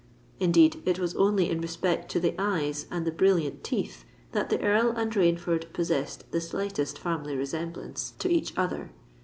Indeed, it was only in respect to the eyes and the brilliant teeth, that the Earl and Rainford possessed the slightest family resemblance to each other.